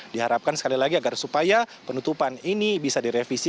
diharapkan sekali lagi agar supaya penutupan ini bisa direvisi